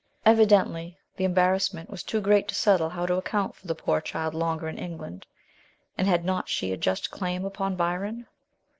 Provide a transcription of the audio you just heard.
Evidently the em barrassment was too great to settle how to account for the poor child longer in England ; and had not she a just claim upon Byron